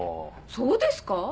そうですか？